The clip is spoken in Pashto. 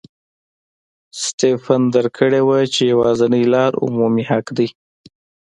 سټېفن درک کړې وه چې یوازینۍ لار عمومي حق دی.